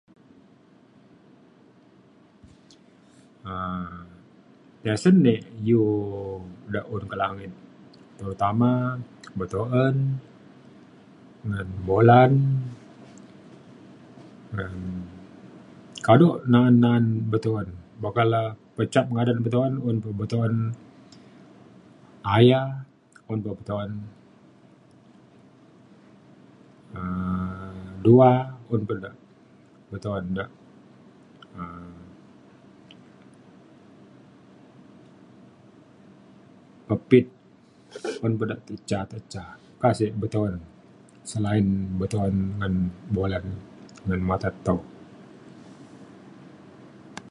um asen di iu de un kak langit ilu tama betuen ngan bulan ngan kado na’an na’an betuen buk kak le [unintelligible] ngadan betuen un betuen aya un pa betuen um dua un da pe betuen de um pepit un pa da te ca te ca. oka sek betuen selain bulen ngan mata tau.